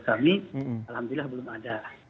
kami alhamdulillah belum ada